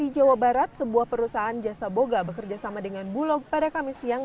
di jawa barat sebuah perusahaan jasa boga bekerja sama dengan bulog pada kamis siang